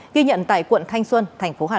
ghi nhận tại quận thanh xuân thành phố hà nội